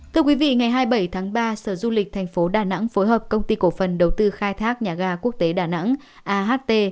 thưa quý vị ngày hai mươi bảy tháng ba sở du lịch thành phố đà nẵng phối hợp công ty cổ phần đầu tư khai thác nhà ga quốc tế đà nẵng aht